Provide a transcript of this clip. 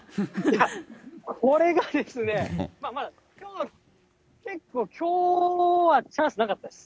これがですね、まあ、結構きょうはチャンスなかったです。